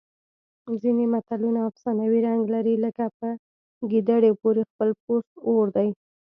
ځینې متلونه افسانوي رنګ لري لکه په ګیدړې پورې خپل پوست اور دی